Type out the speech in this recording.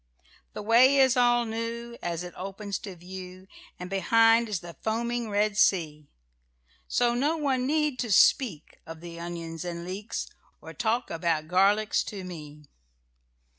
"The way is all new, As it opens to view, And behind is the foaming Red Sea; So none need to speak Of the onions and leeks Or to talk about garlics to me!"